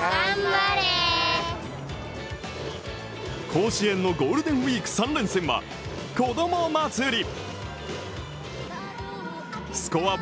甲子園のゴールデンウィーク３連戦はこどもまつり。